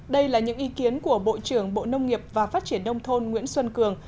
đây là những ý kiến của bộ trưởng bộ nông nghiệp và phát triển đông thôn nguyễn xuân cường